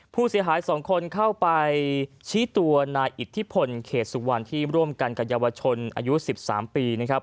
ผู้เสียหาย๒คนเข้าไปชี้ตัวนายอิทธิพลเขตสุวรรณที่ร่วมกันกับเยาวชนอายุ๑๓ปีนะครับ